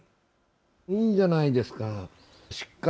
いいじゃないですか。